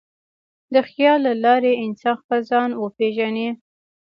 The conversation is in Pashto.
د خیال له لارې انسان خپل ځان وپېژني.